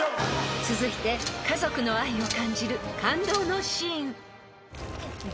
［続いて家族の愛を感じる感動のシーン］